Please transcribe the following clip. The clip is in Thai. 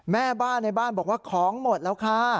แม่บ้านในบ้านบอกว่าของหมดแล้วค่ะ